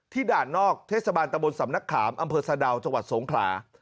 ด่านนอกเทศบาลตะบนสำนักขามอำเภอสะดาวจังหวัดสงขลา